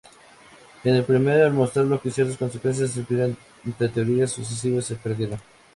En el primero, al mostrar que ciertas consecuencias empíricas entre teorías sucesivas se pierden.